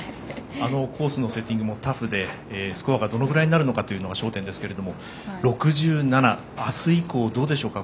コースのセッティングもタフでスコアがどのぐらいになるのかというのが焦点ですけれども６７、明日以降どうでしょうか。